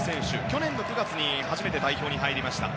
去年９月に初めて代表に入りました。